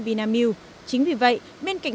vinamilk chính vì vậy bên cạnh